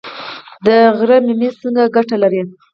د غره ممیز څه ګټه لري؟